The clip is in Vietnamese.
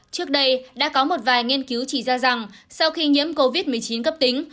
trước đây đã có một vài nghiên cứu chỉ ra rằng sau khi nhiễm covid một mươi chín cấp tính